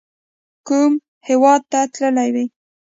کوم هیواد ته تللي وئ؟